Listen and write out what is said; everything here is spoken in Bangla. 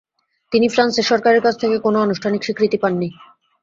তিনি ফ্রান্সের সরকারের কাছ থেকে কোন আনুষ্ঠানিক স্বীকৃতি পাননি।